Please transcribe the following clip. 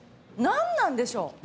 何なんでしょう？